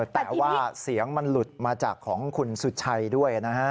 แต่ว่าเสียงมันหลุดมาจากของคุณสุชัยด้วยนะฮะ